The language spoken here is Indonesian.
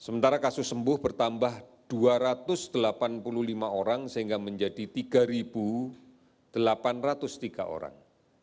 sementara kasus sembuh bertambah dua ratus delapan puluh lima orang sehingga menjadi tiga delapan ratus tiga orang